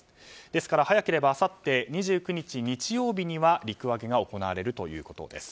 ですから、早ければあさって２９日日曜日には陸揚げが行われるということです。